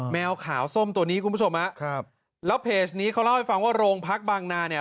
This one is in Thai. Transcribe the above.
แมวขาวส้มตัวนี้คุณผู้ชมฮะครับแล้วเพจนี้เขาเล่าให้ฟังว่าโรงพักบางนาเนี่ย